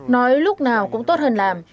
nói lúc nào cũng tốt hơn làm